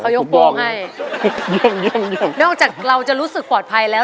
เขายกปูให้ยั่งยั่งยั่งนอกจากเราจะรู้สึกปลอดภัยแล้ว